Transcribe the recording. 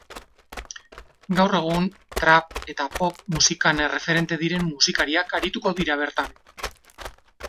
Gaur egun trap eta pop musikan erreferente diren musikariak arituko dira bertan.